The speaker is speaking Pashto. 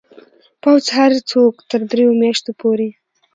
پوځ هر څوک تر دریو میاشتو پورې